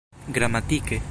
gramatike